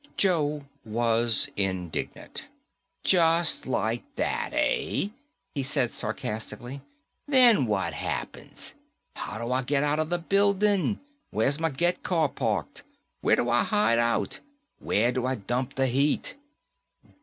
Joe was indignant. "Just like that, eh?" he said sarcastically. "Then what happens? How do I get out of the building? Where's my get car parked? Where do I hide out? Where do I dump the heat?"